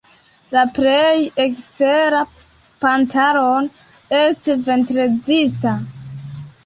La plej ekstera pantalono estu ventrezista.